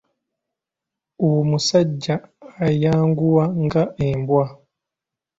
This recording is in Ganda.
Omusajja ayanguwa nga Embwa.